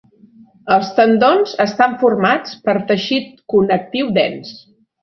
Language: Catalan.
Els tendons estan formats per teixit connectiu dens.